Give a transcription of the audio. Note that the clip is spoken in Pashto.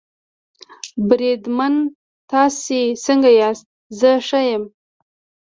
بریدمنه تاسې څنګه یاست؟ زه ښه یم.